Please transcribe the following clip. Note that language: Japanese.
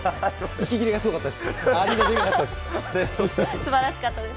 息切れがすごかったです。